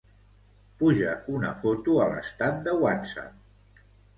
Puja una foto a l'estat de Whatsapp.